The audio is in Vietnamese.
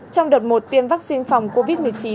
trong đợt một tiêm vaccine phòng covid một mươi chín